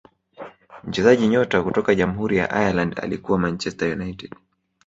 mchezaji nyota kutoka jamhuri ya ireland alikuwa manchester united